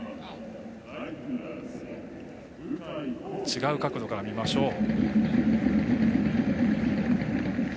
違う角度から見ましょう。